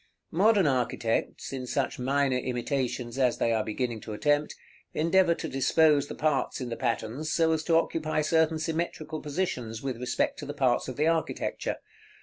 Modern architects, in such minor imitations as they are beginning to attempt, endeavor to dispose the parts in the patterns so as to occupy certain symmetrical positions with respect to the parts of the architecture.